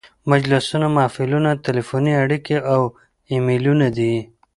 مجلسونه، محفلونه، تلیفوني اړیکې او ایمیلونه دي.